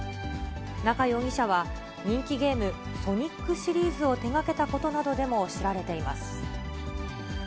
中容疑者は、人気ゲーム、ソニックシリーズを手がけたことなどでも知られています。